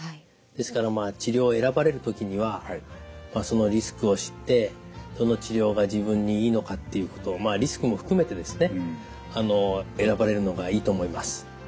ですから治療を選ばれる時にはそのリスクを知ってどの治療が自分にいいのかっていうことをまあリスクも含めてですね選ばれるのがいいと思います。